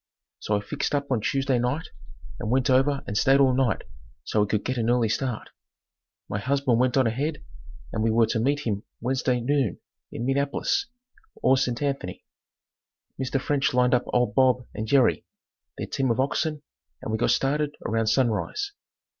So I fixed up on Tuesday night and went over and stayed all night so we could get an early start. My husband went on ahead and we were to meet him Wednesday noon in Minneapolis, or St. Anthony. Mr. French lined up old Bob and Jerry, their team of oxen and we got started about sunrise.